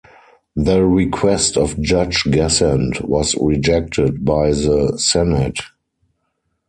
The request of Judge Gassant was rejected by the senate.